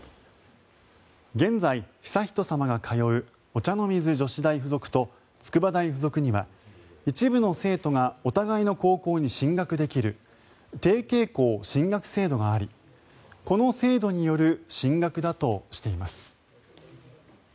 現在、悠仁さまが通うお茶の水女子大附属と筑波大附属には一部の生徒がお互いの高校に進学できる提携校進学制度がありこの制度による進学だとしています。